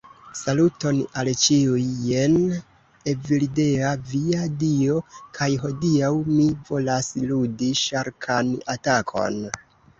Saluton al ĉiuj, jen Evildea via dio, kaj hodiaŭ mi volas ludi Ŝarkan Atakon.